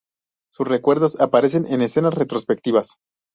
Sus recuerdos aparecen en escenas retrospectivas.